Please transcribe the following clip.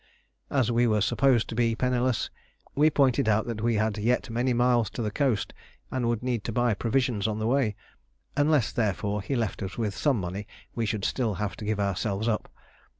As we were supposed to be penniless, we pointed out that we had yet many miles to the coast and would need to buy provisions on the way: unless, therefore, he left us with some money we should still have to give ourselves up.